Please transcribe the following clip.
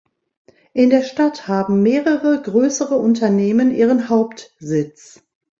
In der Stadt haben mehrere größere Unternehmen ihren Hauptsitz.